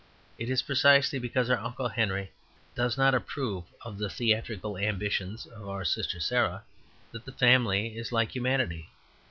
It is precisely because our uncle Henry does not approve of the theatrical ambitions of our sister Sarah that the family is like humanity.